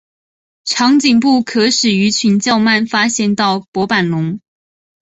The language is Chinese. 长颈部可使鱼群较慢发现到薄板龙。